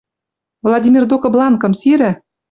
«Владимир докы бланкым сирӹ.